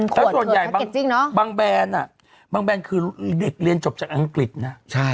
แต่ส่วนใหญ่บางแบรนด์คือเด็กเรียนจบจากอังกฤษนะ